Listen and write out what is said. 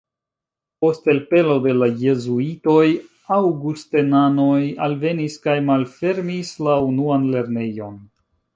Post elpelo de la jezuitoj aŭgustenanoj alvenis kaj malfermis la unuan lernejon.